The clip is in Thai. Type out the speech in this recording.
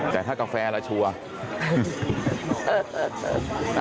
แต่ถ้ากาแฟแล้วชัวร์